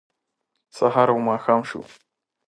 سهار و ماښام شو